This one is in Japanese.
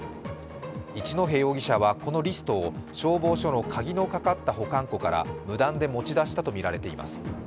一戸容疑者はこのリストを消防署の鍵のかかった保管庫から無断で持ち出したとみられています。